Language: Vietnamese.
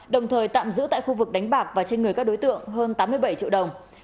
đồng thời tạm giữ tại khu vực đánh bạc và trên người các đối tượng hơn tám mươi bảy triệu đồng